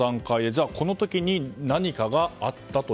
じゃあ、この時に何かがあったと。